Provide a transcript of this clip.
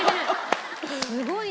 すごいね。